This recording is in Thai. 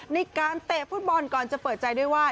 ในการเตะฟุตบอลก่อนจะเปิดใจด้วยว่า